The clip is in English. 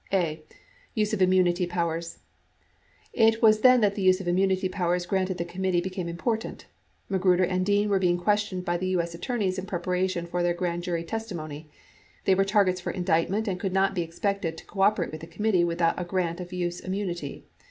A. Use of Immunity Powers It was then that the use of immunity powers granted the committee became important. Magruder and Dean were being questioned by the U.S. attorneys in preparation for their grand jury testimony. They were targets for indictment and could not be expected to co operate with the committee without a grant of use immunity.